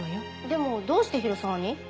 でもどうして広沢に？